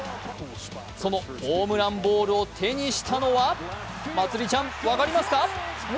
そのホームランボールを手にしたのはまつりちゃん、分かりますか？